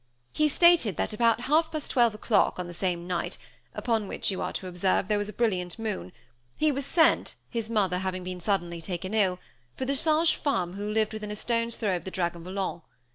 He stated that about half past twelve o'clock, on the same night upon which you are to observe, there was a brilliant moon he was sent, his mother having been suddenly taken ill, for the sage femme who lived within a stone's throw of the Dragon Volant.